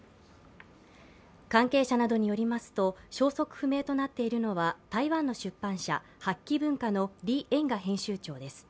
関係者などによりますと、消息不明となっているのは台湾の出版社・八旗文化の李延賀編集長です。